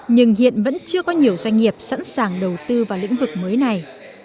nhưng hiện vẫn chưa có nhiều doanh nghiệp sẵn sàng đầu tư vào lĩnh vực mới này